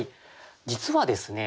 実はですね